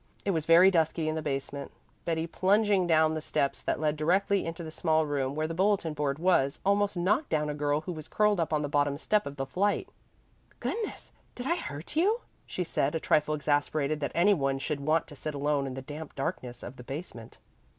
It was very dusky in the basement. Betty, plunging down the steps that led directly into the small room where the bulletin board was, almost knocked down a girl who was curled up on the bottom step of the flight. "Goodness! did I hurt you?" she said, a trifle exasperated that any one should want to sit alone in the damp darkness of the basement.